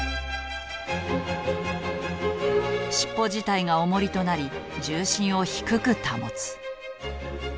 尻尾自体がおもりとなり重心を低く保つ。